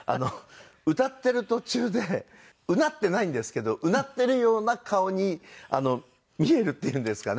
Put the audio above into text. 歌っている途中でうなっていないんですけどうなっているような顔に見えるっていうんですかね